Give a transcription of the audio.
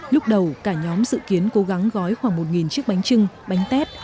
lúc đầu cả nhóm dự kiến cố gắng gói khoảng một chiếc bánh trưng bánh tét